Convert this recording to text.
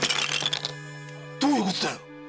どういうことだよ